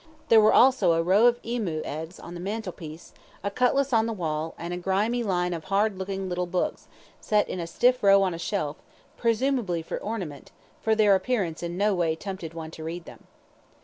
There were also a row of emu eggs on the mantelpiece, a cutlass on the wall, and a grimy line of hard looking little books, set in a stiff row on a shelf, presumably for ornament, for their appearance in no way tempted one to read them.